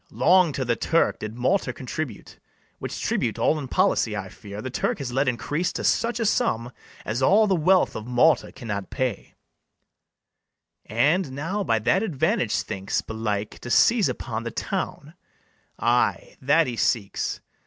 Long to the Turk did Malta contribute; Which tribute all in policy, I fear, The Turk has let increase to such a sum As all the wealth of Malta cannot pay; And now by that advantage thinks, belike, To seize upon the town; ay, that he seeks.